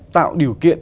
tạo điều kiện